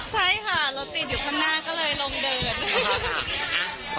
ใช่ค่ะรถติดอยู่ข้างหน้าก็เลยลงเดิน